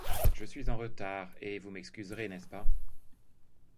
Je suis en retard, et vous m'excuserez, n'est-ce pas?